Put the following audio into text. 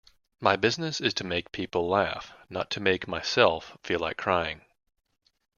My business is to make people laugh, not to make myself feel like crying.